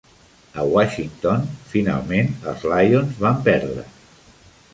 A Washington, finalment els Lions van perdre.